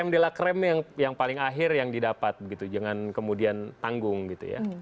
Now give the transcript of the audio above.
krem di lah krem yang paling akhir yang didapat gitu jangan kemudian tanggung gitu ya